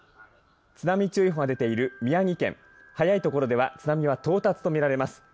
津波注意報が出ている宮城県早いところでは津波が到達とみられます。